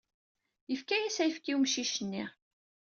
Yefka-as ayefki i umcic-nni.